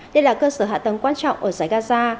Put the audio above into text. đây là cơ sở hạ tầng quan trọng ở giải gaza